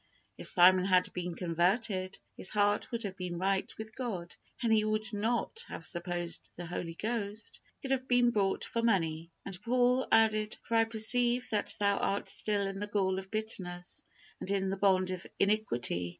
If Simon had been converted, his heart would have been right with God and he would not have supposed the Holy Ghost could have been bought for money. And Paul added, "For I perceive that thou art still in the gall of bitterness, and in the bond of iniquity."